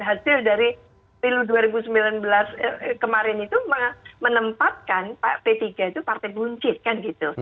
hasil dari pilu dua ribu sembilan belas kemarin itu menempatkan pak p tiga itu partai buncit kan gitu